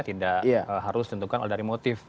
tidak harus ditentukan dari motif